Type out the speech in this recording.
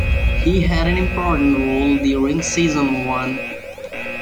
He had an important role during season one.